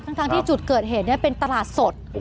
ทั้งที่จุดเกิดเหตุนี้เป็นตลาดสด